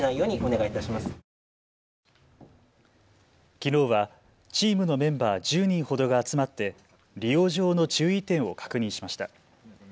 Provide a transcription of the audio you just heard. きのうはチームのメンバー１０人ほどが集まって利用上の注意点を確認しました。